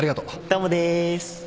どうもです。